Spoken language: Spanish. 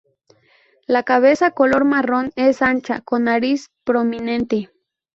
La cabeza color marrón es ancha, con nariz prominente.